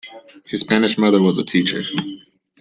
His Spanish mother was a teacher.